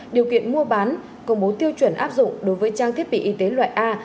điều kiện mua bán công bố tiêu chuẩn áp dụng đối với trang thiết bị y tế loại a